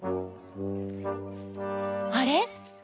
あれ？